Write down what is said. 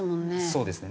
そうですね。